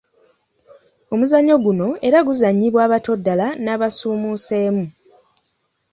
Omuzannyo guno era guzannyibwa abato ddala n’abasuumuuseemu.